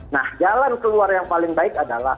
nah jalan keluar yang paling baik adalah